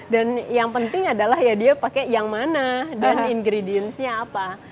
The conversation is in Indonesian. dan yang penting adalah ya dia pakai yang mana dan ingredientsnya apa